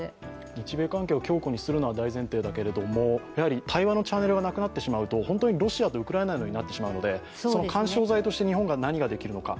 日米関係を強固にするのは大前提だけど対話のチャンネルがなくなってしまうと、本当にロシアとウクライナのようになってしまうので、その緩衝材として日本が何ができるのか。